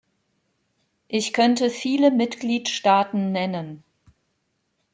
Ich könnte viele Mitgliedstaaten nennen.